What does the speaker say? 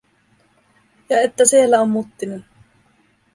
Ja että siellä on Muttinen.